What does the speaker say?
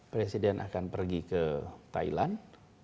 presiden akan pergi ke thailand